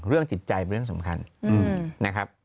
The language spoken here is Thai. จิตใจเป็นเรื่องสำคัญนะครับ